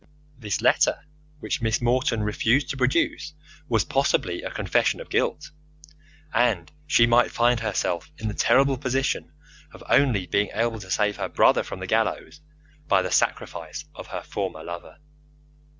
This letter which Miss Morton refused to produce was possibly a confession of guilt, and she might find herself in the terrible position of only being able to save her brother from the gallows by the sacrifice of her former lover.